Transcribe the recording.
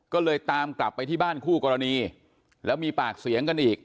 ก็เลยตามกลับไปที่บ้านคู่กรณีแล้วมีปากเสียงกันอีก